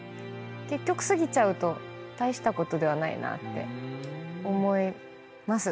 結局過ぎちゃうと大したことではないなって思います。